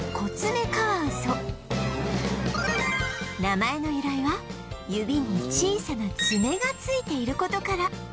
名前の由来は指に小さな爪がついている事から